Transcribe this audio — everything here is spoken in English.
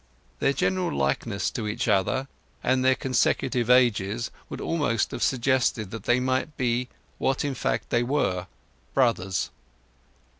Their general likeness to each other, and their consecutive ages, would almost have suggested that they might be, what in fact they were, brothers.